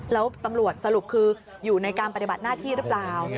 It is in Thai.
แล้วตำรวจสรุปคืออยู่ในการปฏิบัติหน้าที่หรือเปล่า